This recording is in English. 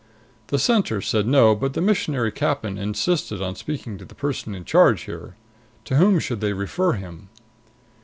The Center said no, but the Missionary Captain insisted on speaking to the person in charge here. To whom should they refer him?